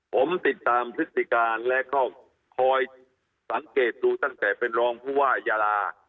ผมติดตามพฤติการและก็คอยสังเกตดูตั้งแต่เป็นรองผู้ว่ายาลา